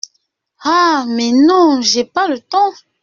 Ah ! mais non ! j’ai pas le temps !…